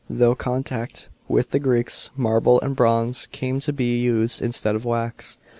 Through contact with the Greeks, marble and bronze came to be used instead of wax.